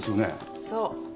そう。